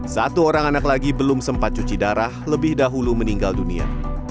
satu orang anak lagi belum sempat cuci darah lebih dahulu meninggal dunia